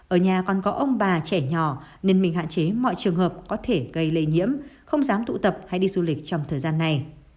ở nhà còn có ông bà trẻ nhỏ nên mình hạn chế mọi trường hợp có thể gây lây nhiễm không dám tụ tập hay đi du lịch trong thời gian này